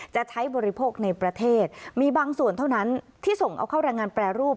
จะใช้บริโภคในประเทศมีบางส่วนเท่านั้นที่ส่งเอาเข้าแรงงานแปรรูป